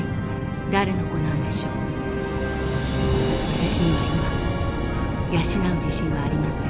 私には今養う自信はありません。